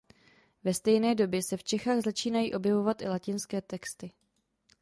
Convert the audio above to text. Ve stejné době se v Čechách začínají objevovat i latinské texty.